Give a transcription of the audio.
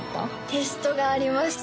テストがありました